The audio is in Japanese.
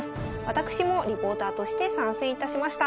私もリポーターとして参戦いたしました。